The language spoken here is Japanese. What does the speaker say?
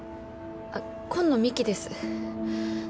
あっ紺野美樹です。